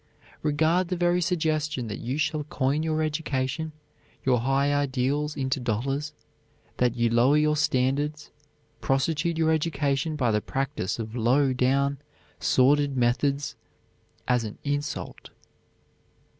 Regard the very suggestion that you shall coin your education, your high ideals into dollars; that you lower your standards, prostitute your education by the practise of low down, sordid methods, as an insult.